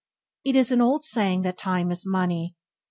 It is an old saying that "time is money".